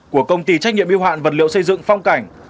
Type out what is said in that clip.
của công ty trách nhiệm yêu hoạn vật liệu xây dựng phong cảnh